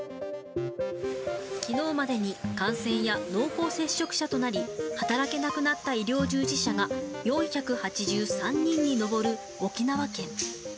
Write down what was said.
きのうまでに感染や濃厚接触者となり、働けなくなった医療従事者が、４８３人に上る沖縄県。